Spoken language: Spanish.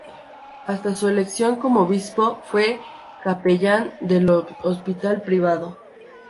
Hasta su elección como obispo fue capellán del Hospital Privado.